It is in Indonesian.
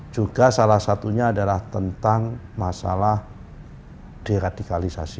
juga salah satunya adalah tentang masalah deradikalisasi